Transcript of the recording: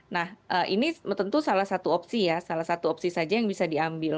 nah ini tentu salah satu opsi ya salah satu opsi saja yang bisa diambil